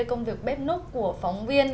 công việc bếp nút của phóng viên